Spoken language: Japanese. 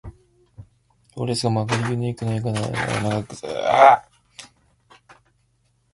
行列が曲がりくねりながら長く続くさま。一列に長く連なったものが、うねうねと続いているというたとえ。